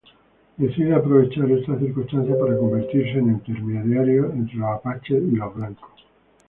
Decide aprovechar esta circunstancia para convertirse en intermediario entre los apaches y los blancos.